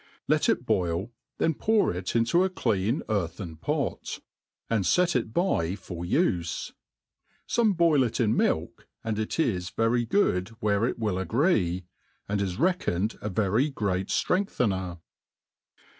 Let it boil, then pour it into a clean earthen pot, and fet it by fof life. Some boil it in milk, and it i3 very good where it will. Pgree, and is reckoned a very great ftrengthener.